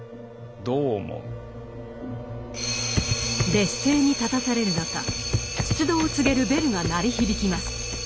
劣勢に立たされる中出動を告げるベルが鳴り響きます。